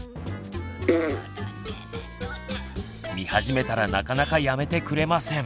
見始めたらなかなかやめてくれません。